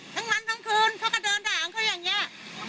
ทั้งวันทั้งคืนเขาก็เดินด่าของเขาอย่างนี้